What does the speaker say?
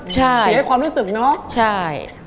ใช่เสียความรู้สึกเนาะใช่